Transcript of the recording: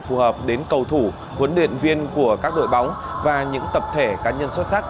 phù hợp đến cầu thủ huấn luyện viên của các đội bóng và những tập thể cá nhân xuất sắc